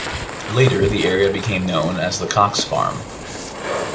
Later, the area became known as the Cox Farm.